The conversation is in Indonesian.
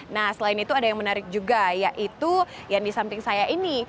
nah selain itu ada yang menarik juga yaitu yang di samping saya ini